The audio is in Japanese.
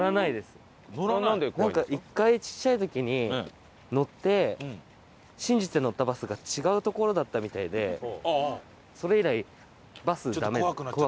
なんか１回ちっちゃい時に乗って信じて乗ったバスが違う所だったみたいでそれ以来バスダメで怖くて。